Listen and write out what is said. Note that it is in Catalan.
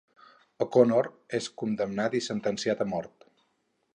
O'Connor és condemnat i sentenciat a mort.